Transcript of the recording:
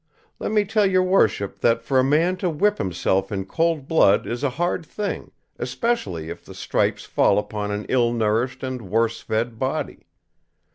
Let me tell your worship that for a man to whip himself in cold blood is a hard thing, especially if the stripes fall upon an ill nourished and worse fed body.